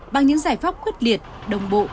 bằng những giải phóc khuất liệt đồng bộ